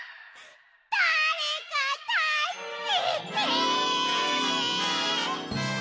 だれかたすけて！